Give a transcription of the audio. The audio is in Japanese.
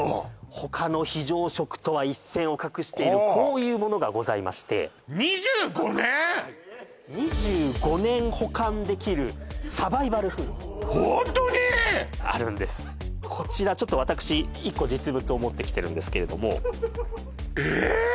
他の非常食とは一線を画しているこういうものがございましてはい２５年保管できるサバイバルフーズあるんですこちらちょっと私１個実物を持ってきてるんですけれどえっ！？